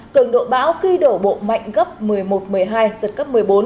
cường độ bão khi đổ bộ mạnh gấp một mươi một một mươi hai giật gấp một mươi bốn